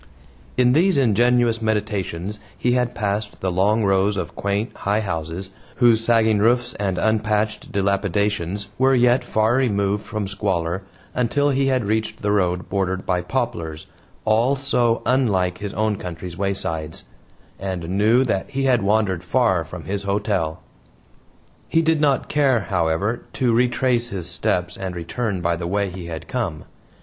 In these ingenuous meditations he had passed the long rows of quaint, high houses, whose sagging roofs and unpatched dilapidations were yet far removed from squalor, until he had reached the road bordered by poplars, all so unlike his own country's waysides and knew that he had wandered far from his hotel. He did not care, however, to retrace his steps and return by the way he had come.